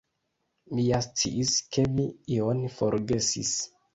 Mi ja sciis, ke mi ion forgesis.